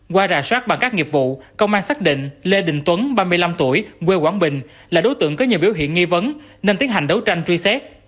qua rà soát bằng các nghiệp vụ công an xác định lê đình tuấn ba mươi năm tuổi quê quảng bình là đối tượng có nhiều biểu hiện nghi vấn nên tiến hành đấu tranh truy xét